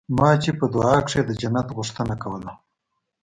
ما چې په دعا کښې د جنت غوښتنه کوله.